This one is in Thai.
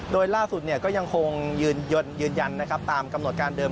โดยล่าสุดก็ยังคงยืนยันนะครับตามกำหนดการเดิม